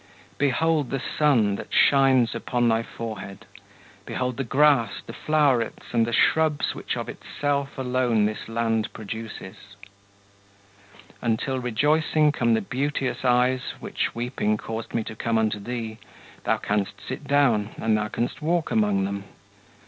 Behold the sun, that shines upon thy forehead; Behold the grass, the flowerets, and the shrubs Which of itself alone this land produces. Until rejoicing come the beauteous eyes Which weeping caused me to come unto thee, Thou canst sit down, and thou canst walk among them.